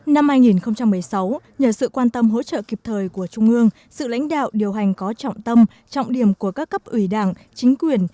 năm hai nghìn một mươi sáu nhờ sự quan tâm hỗ trợ kịp thời của trung ương sự lãnh đạo điều hành có trọng tâm trọng điểm của các cấp ủy đảng chính quyền